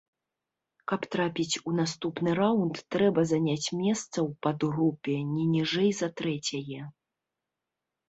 Каб трапіць у наступны раўнд, трэба заняць месца ў падгрупе не ніжэй за трэцяе.